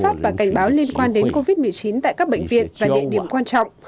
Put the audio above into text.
giám sát và cảnh báo liên quan đến covid một mươi chín tại các bệnh viện và địa điểm quan trọng